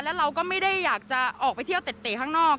แล้วเราก็ไม่ได้อยากจะออกไปเที่ยวเตะข้างนอก